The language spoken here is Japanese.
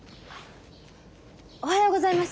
おはようございます。